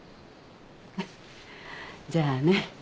じゃあね。